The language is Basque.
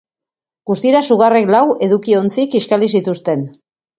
Guztira, sugarrek lau edukiontzi kiskali zituzten.